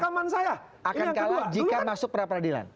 ini yang kedua